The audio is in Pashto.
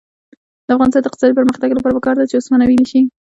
د افغانستان د اقتصادي پرمختګ لپاره پکار ده چې اوسپنه ویلې شي.